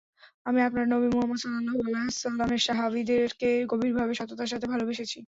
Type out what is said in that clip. আমি আপনার নবী মুহাম্মাদ সাল্লাল্লাহু আলাইহি ওয়াসাল্লামের সাহাবীদেরকে গভীরভাবে সততার সাথে ভালবেসেছি।